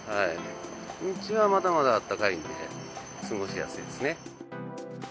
日中はまだまだあったかいんで、過ごしやすいですね。